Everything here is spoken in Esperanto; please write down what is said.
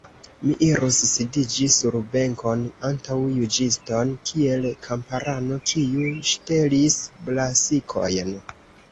Mi irus sidiĝi sur benkon, antaŭ juĝiston, kiel kamparano, kiu ŝtelis brasikojn!